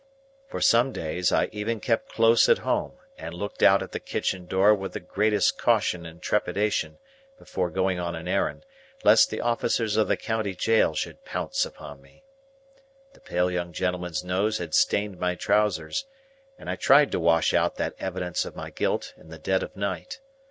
For some days, I even kept close at home, and looked out at the kitchen door with the greatest caution and trepidation before going on an errand, lest the officers of the County Jail should pounce upon me. The pale young gentleman's nose had stained my trousers, and I tried to wash out that evidence of my guilt in the dead of night.